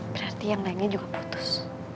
berarti yang lainnya juga putus